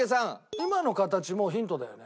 今の形もうヒントだよね？